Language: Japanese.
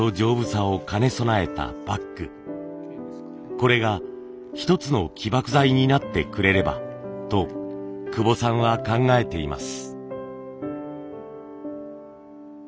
これが一つの起爆剤になってくれればと久保さんは考えています。